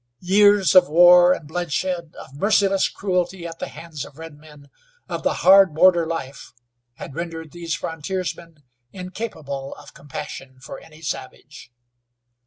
Years of war and bloodshed, of merciless cruelty at the hands of redmen, of the hard, border life had rendered these frontiersmen incapable of compassion for any savage.